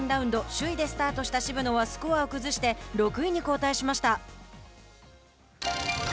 首位でスタートした渋野はスコアを崩して６位に後退しました。